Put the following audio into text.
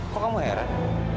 kok kamu heran